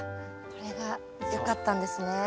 これがよかったんですね。